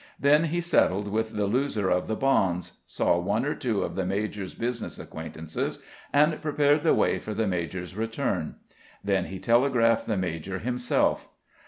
Then he settled with the loser of the bonds, saw one or two of the major's business acquaintances, and prepared the way for the major's return; then he telegraphed the major himself.